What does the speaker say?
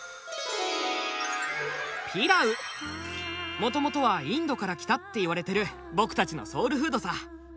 もともとはインドから来たって言われてる僕たちのソウルフードさ。